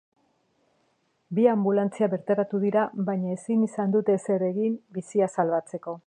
Bi anbulantzia bertaratu dira baina ezin izan dute ezer egin bizia salbatzeko.